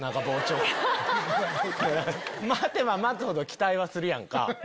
待てば待つほど期待はするやんか。